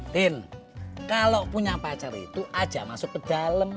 tin kalau punya pacar itu aja masuk ke dalam